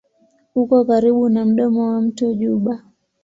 Uko karibu na mdomo wa mto Juba.